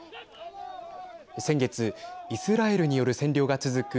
先月イスラエルによる占領が続く